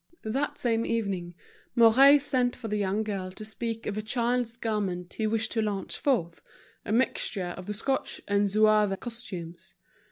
That same evening Mouret sent for the young girl to speak of a child's garment he wished to launch forth, a mixture of the Scotch and Zouave costumes.